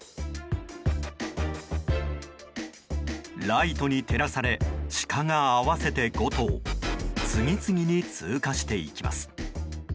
ライトに照らされシカが合わせて５頭次々に通過していきます。